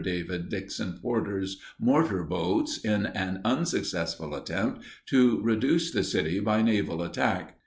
David Dixon Porter's mortar boats in an unsuccessful attempt to reduce the city by naval attack.